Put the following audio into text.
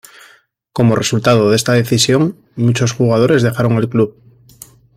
Como resultado de esta decisión, muchos jugadores dejaron el club.